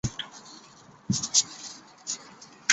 砂石狸藻为狸藻属小型一年生陆生食虫植物。